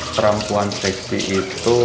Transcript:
perempuan seksi itu